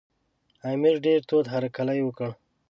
امیر ډېر تود هرکلی وکړ.